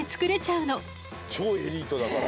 超エリートだから。